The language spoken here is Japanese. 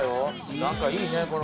何かいいねこの。